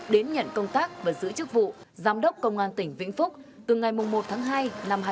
đến nhận công tác và giữ chức vụ giám đốc công an tỉnh vĩnh phúc từ ngày một hai hai nghìn hai mươi bốn